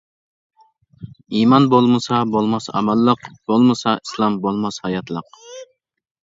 ئىمان بولمىسا بولماس ئامانلىق، بولمىسا ئىسلام بولماس ھاياتلىق.